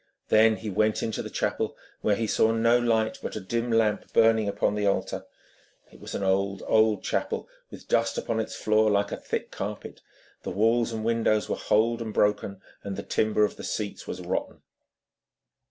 Then he went into the chapel, where he saw no light but a dim lamp burning upon the altar. It was an old, old chapel, with dust upon its floor like a thick carpet, the walls and windows were holed and broken, and the timber of the seats was rotten.